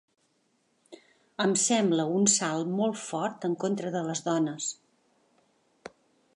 Em sembla un salt molt fort en contra de les dones.